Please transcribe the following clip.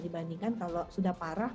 dibandingkan kalau sudah parah